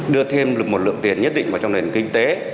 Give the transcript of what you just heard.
đưa thêm được một lượng tiền nhất định vào trong nền kinh tế